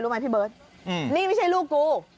รู้ไหมพี่เบิร์ตนี่ไม่ใช่ลูกกู